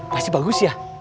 pasti bagus ya